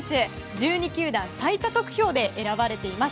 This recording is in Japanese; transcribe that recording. １２球団最多得票で選ばれています。